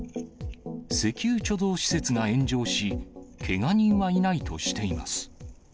石油貯蔵施設が炎上し、けが人はいないとしています。